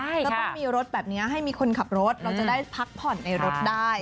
ก็ต้องมีรถแบบนี้ให้มีคนขับรถเราจะได้พักผ่อนในรถได้